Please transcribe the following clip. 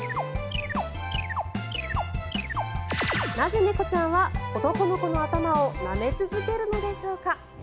なぜ猫ちゃんは男の子の頭をなめ続けるのでしょうか。